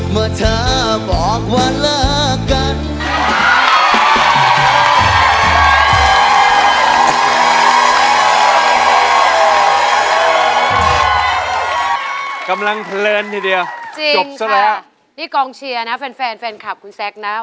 เมื่อเธอบอกว่าเลิกกัน